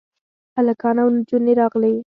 هلکان او نجونې راغلې.